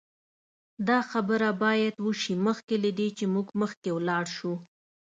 دا خبره باید وشي مخکې له دې چې موږ مخکې لاړ شو